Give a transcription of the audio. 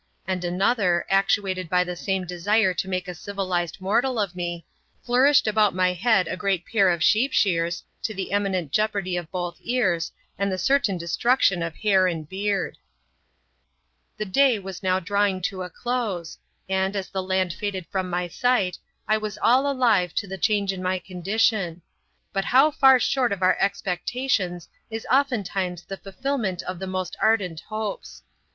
and another, actuated by the same desire to make a civilised mortal of me, flourished about my head a great pair of sheep shears, to the imminent jeopardy of both ears, and the certain destruction of hair and beard. The day was now drawing to a close, and, as the land faded from my sight, I was all alive to the change in my condition. But how far short of our expectations is oftentimes the fulfil ment of the most ardent hopes!